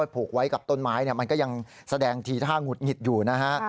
ผูกไว้กับต้นไม้มันก็ยังแสดงทีท่าหงุดหงิดอยู่นะฮะ